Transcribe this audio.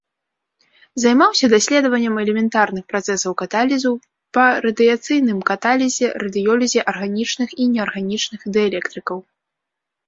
Займаўся даследаваннем элементарных працэсаў каталізу, па радыяцыйным каталізе, радыёлізе арганічных і неарганічных дыэлектрыкаў.